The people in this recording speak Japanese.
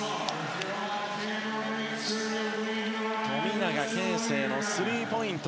富永啓生のスリーポイント。